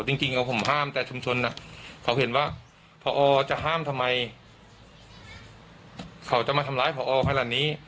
จริงผมห้ามแต่ชุมชนเขาเห็นว่าพอจะห้ามทำไมเขาจะมาทำร้ายพอขนาดนี้